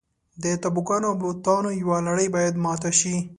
د تابوګانو او بوتانو یوه لړۍ باید ماته شي.